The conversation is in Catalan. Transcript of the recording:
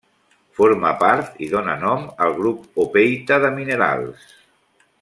Forma part i dóna nom al grup hopeïta de minerals.